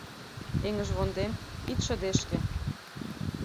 Эҥыжвондем, ит шыдешке